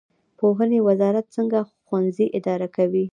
پوهنې وزارت څنګه ښوونځي اداره کوي؟